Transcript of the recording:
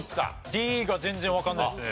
Ｄが全然わかんないですね。